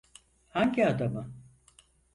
Hangi adamı?